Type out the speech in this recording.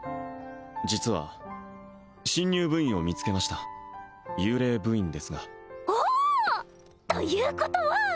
実は新入部員を見つけました幽霊部員ですがおおっ！ということは！